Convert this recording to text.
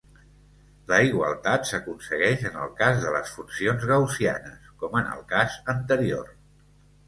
La igualtat s'aconsegueix en el cas de les funcions gaussianes, com en el cas anterior.